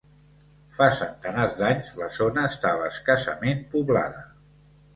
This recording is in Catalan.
Fa centenars d'anys, la zona estava escassament poblada.